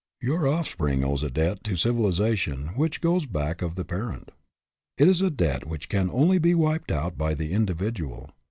Your offspring owes a debt to civilization which goes back of the parent. It is a debt which can only be wiped out by the individual.